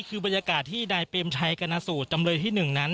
คือบรรยากาศที่นายเปรมชัยกรณสูตรจำเลยที่๑นั้น